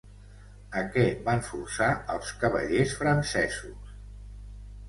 A què van forçar als cavallers francesos?